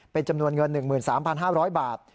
เป็นจำนวนเงิน๑๓๕๐๐บาท